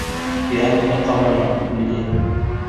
Пират оҙаҡҡа барманы, үлде.